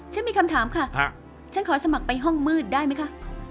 มีคำถามค่ะฉันขอสมัครไปห้องมืดได้ไหมคะ